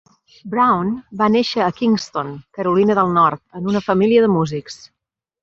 Brown va néixer a Kinston, Carolina del Nord, en una família de músics.